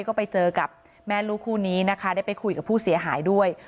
ก็ไปเจอกับแม่ลูกคู่นี้นะคะได้ไปคุยกับผู้เสียหายด้วย